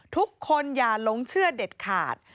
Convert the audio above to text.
ทุกคนอย่าหลงเชื่อเด็ดขาด